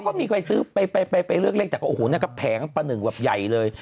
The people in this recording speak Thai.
ก็มีคนซื้อไปเลือกเลขแต่ก็โอ้โหนั่นก็แผงประหนึ่งแบบใหญ่เลย